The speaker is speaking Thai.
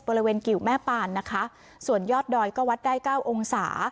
กิวแม่ปานนะคะส่วนยอดดอยก็วัดได้เก้าองศา